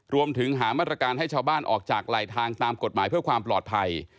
รวมถึงหามาตรการให้ชาวบ้านออกจากไหลทางตามกฎหมายเพื่อความปลอดภัย